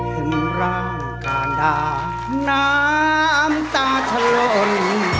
เห็นร้านกาดาน้ำตาถล่น